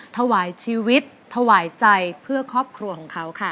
ถวายชีวิตถวายใจเพื่อครอบครัวของเขาค่ะ